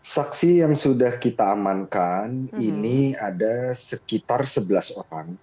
saksi yang sudah kita amankan ini ada sekitar sebelas orang